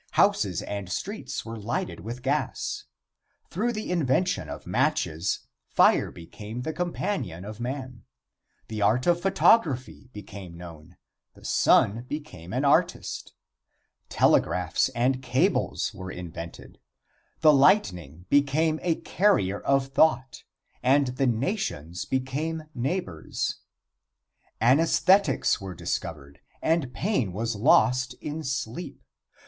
Houses and streets were lighted with gas. Through the invention of matches fire became the companion of man. The art of photography became known; the sun became an artist. Telegraphs and cables were invented. The lightning became a carrier of thought, and the nations became neighbors. Anaesthetics were discovered and pain was lost in sleep.